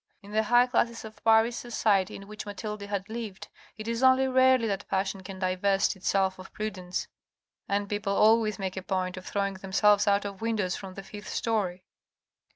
In the high classes of Paris society in which Mathilde had lived, it is only rarely that passion can divest itself of prudence, and people always make a point of throwing themselves out of windows from the fifth storey.